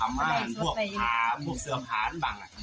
เอาไฟดึงนั่งจากบ้านเข้าไปล่ะ